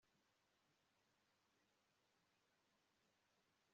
ati ndumva nahaze ntabindi nongeraho